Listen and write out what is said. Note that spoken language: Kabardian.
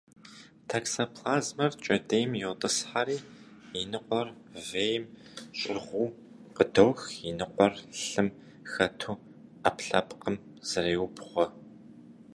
Токсоплазмэр кӏэтӏийм йотӏысхьэри, и ныкъуэр вейм щӏыгъуу къыдох, и ныкъуэр лъым хэту ӏэпкълъэпкъым зреубгъуэ.